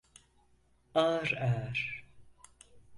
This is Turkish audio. Ağır ağır.